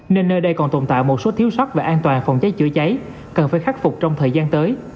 nên nơi đây còn tồn tại một số thiếu sót về an toàn phòng cháy chữa cháy cần phải khắc phục trong thời gian tới